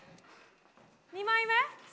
２枚目？